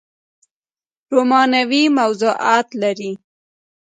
رومانوي موضوعات لري